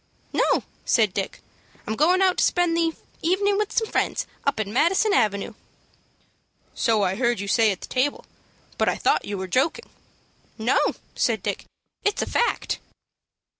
"No," said Dick. "I'm goin' out to spend the evening with some friends up in Madison Avenue." "So I heard you say at the table, but I thought you were joking." "No," said Dick; "it's a fact."